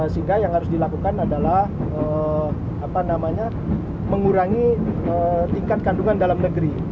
sehingga yang harus dilakukan adalah mengurangi tingkat kandungan dalam negeri